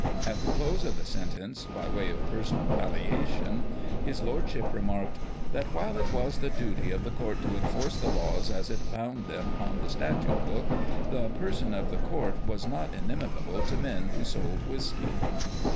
At the close of the sentence, by way of personal palliation, his lord ship remarked, " that while it was the duty of the court to enforce the laws as it found them on the statute book, the person of the court was not inimical to men who sold whisky."